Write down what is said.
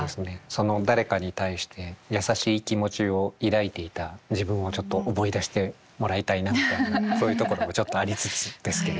その誰かに対して優しい気持ちを抱いていた自分をちょっと思い出してもらいたいなみたいなそういうところもちょっとありつつですけれどね。